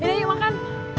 ini yuk makan